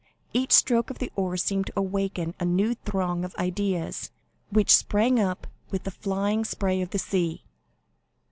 Each stroke of the oar seemed to awaken a new throng of ideas, which sprang up with the flying spray of the sea.